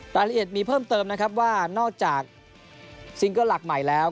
รายละเอียดมีเพิ่มเติมนะครับว่านอกจากซิงเกิ้ลหลักใหม่แล้ว